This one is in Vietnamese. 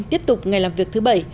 tiếp tục ngày làm việc thứ bảy